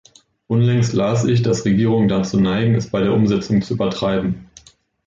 Unlängst las ich, dass Regierungen dazu neigen, es bei der Umsetzung zu übertreiben.